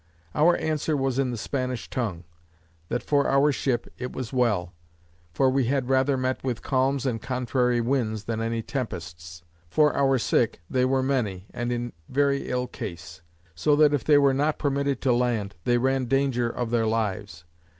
Our answer was in the Spanish tongue; that for our ship, it was well; for we had rather met with calms and contrary winds than any tempests. For our sick, they were many, and in very ill case; so that if they were not permitted to land, they ran danger of their lives.